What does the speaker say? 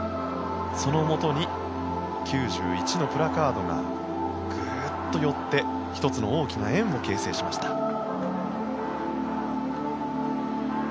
そのもとに９１のプラカードがグッと寄って１つの大きな円を形成しました。